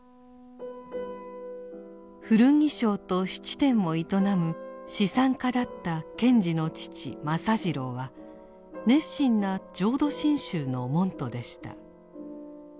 古着商と質店を営む資産家だった賢治の父政次郎は熱心な浄土真宗の門徒でした。